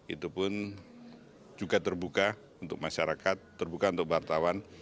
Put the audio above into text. itu pun juga terbuka untuk masyarakat terbuka untuk wartawan